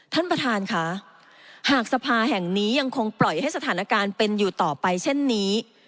ท่านประธานค่ะหากสภาแห่งนี้ยังคงปล่อยให้สถานการณ์เป็นอยู่ต่อไปเช่นนี้